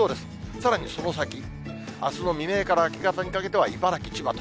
さらにその先、あすの未明から明け方にかけては茨城、千葉と。